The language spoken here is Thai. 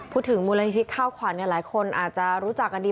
พูดถึงมูลนี้ที่เข้าขวัญหลายคนอาจจะรู้จักกันดี